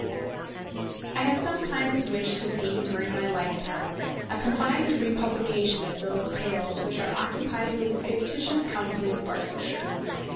I have sometimes wished to see during my lifetime a combined republication of those tales which are occupied with the fictitious county of Barsetshire.